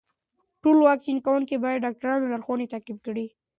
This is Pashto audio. ټول واکسین کوونکي باید د ډاکټرانو لارښوونې تعقیب کړي.